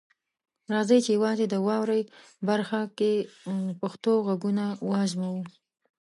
راځئ چې یوازې د "واورئ" برخه کې پښتو غږونه وازموو.